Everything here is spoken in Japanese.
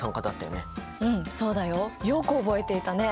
うんそうだよよく覚えていたね。